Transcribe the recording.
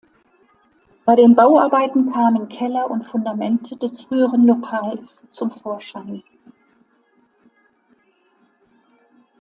Bei den Bauarbeiten kamen Keller und Fundamente des früheren Lokals zum Vorschein.